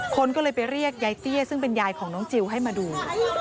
คนก็เลยไปเรียกยายเตี้ยซึ่งเป็นยายของน้องจิลให้มาดู